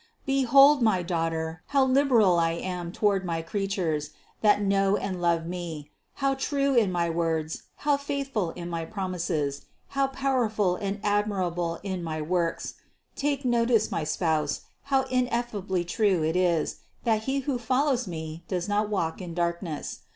Behold, my Daughter, how liberal I am toward my creatures, that know and love Me ; how true in my words, how faithful in my promises, how powerful and admirable in my THE CONCEPTION 339 works. Take notice, my Spouse, how ineffably true it is, that he who follows Me does not walk in darkness.